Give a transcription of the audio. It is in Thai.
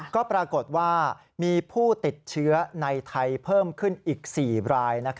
ก็ปรากฏว่ามีผู้ติดเชื้อในไทยเพิ่มขึ้นอีก๔ราย